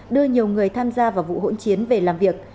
đưa nhiều người tham gia vào vụ hỗn chiến về làm việc